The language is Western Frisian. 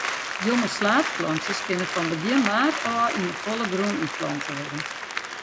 Jonge slaadplantsjes kinne fan begjin maart ôf yn 'e folle grûn útplante wurde.